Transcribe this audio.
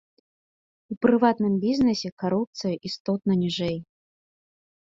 У прыватным бізнэсе карупцыя істотна ніжэй.